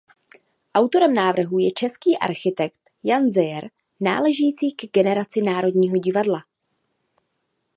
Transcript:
Autorem návrhu je český architekt Jan Zeyer náležející ke generaci Národního divadla.